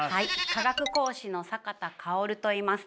化学講師の坂田薫といいます。